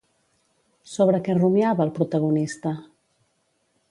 Sobre què rumiava el protagonista?